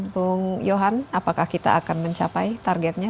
bung johan apakah kita akan mencapai targetnya